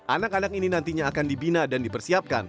anak anak ini nantinya akan dibina dan dipersiapkan